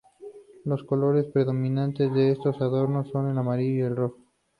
Los colores predominantes de estos adornos son el amarillo y el rojo.